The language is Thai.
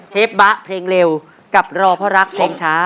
บ๊ะเพลงเร็วกับรอเพราะรักเพลงช้า